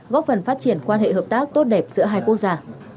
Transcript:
góp phần phát triển quan hệ hợp tác tốt đẹp giữa hai quốc gia